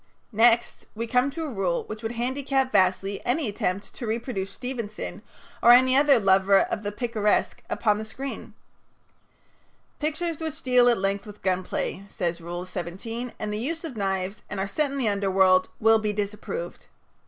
Next we come to a rule which would handicap vastly any attempt to reproduce Stevenson or any other lover of the picaresque upon the screen. "Pictures which deal at length with gun play," says Rule 17, "and the use of knives, and are set in the underworld, will be disapproved.